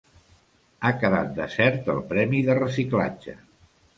Ha quedat desert el premi de reciclatge.